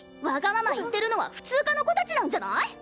わがまま言ってるのは普通科の子たちなんじゃない？